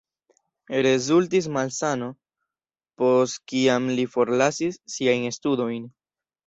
Rezultis malsano, post kiam li forlasis siajn studojn.